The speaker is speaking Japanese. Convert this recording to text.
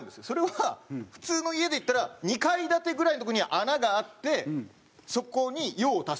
それは普通の家でいったら２階建てぐらいのとこに穴があってそこに用を足す。